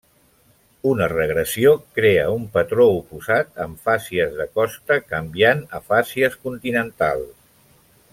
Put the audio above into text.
Una regressió crea un patró oposat, amb fàcies de costa canviant a fàcies continentals.